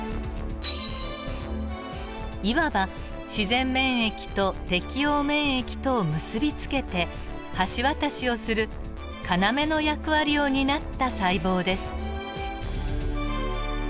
いわば自然免疫と適応免疫とを結び付けて橋渡しをする要の役割を担った細胞です。